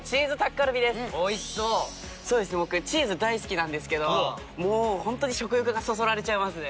チーズ大好きなんですけどもうホントに食欲がそそられちゃいますね。